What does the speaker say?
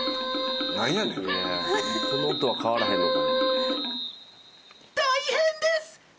この音は変わらへんのか。